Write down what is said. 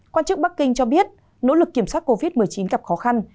quan chức bắc kinh cho biết nỗ lực kiểm soát covid một mươi chín gặp khó khăn